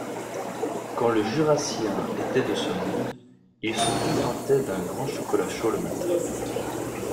Quand le Jurassien était de ce monde, il se contentait d’un grand chocolat chaud le matin